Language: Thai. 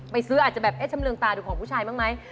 ไปซื้ออาจจะแบบเอ๊ะชำเรืองตาดูของผู้ชายบ้างไหม